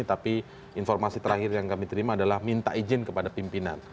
tapi informasi terakhir yang kami terima adalah minta izin kepada pimpinan